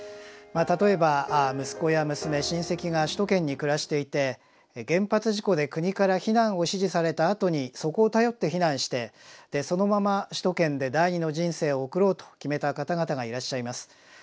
まあ例えば息子や娘親戚が首都圏に暮らしていて原発事故で国から避難を指示されたあとにそこを頼って避難してそのまま首都圏で第２の人生を送ろうと決めた方々がいらっしゃいます。